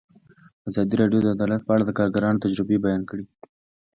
ازادي راډیو د عدالت په اړه د کارګرانو تجربې بیان کړي.